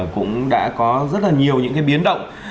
cũng đã có rất là nhiều những cái biến động